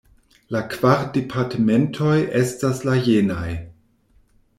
La kvar departementoj estas la jenaj:.